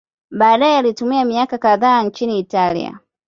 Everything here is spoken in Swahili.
Baadaye alitumia miaka kadhaa nchini Italia.